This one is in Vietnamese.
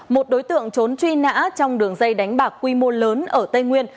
một đối tượng trốn truy nã trong đường dây đánh bạc quy mô lớn ở tây nguyên